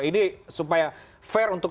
ini supaya fair untuk